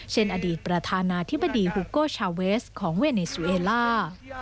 อดีตประธานาธิบดีฮูโก้ชาวเวสของเวเนซูเอล่า